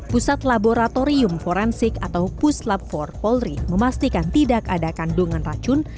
pusat laboratorium forensik atau puslap empat polri memastikan tidak ada kandungan racun